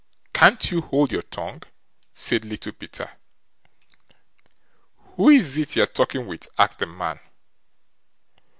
can't you hold your tongue", said Little Peter. "Who is it you're talking with?" asked the man.